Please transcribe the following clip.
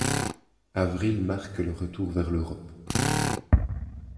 Avril marque le retour vers l'Europe.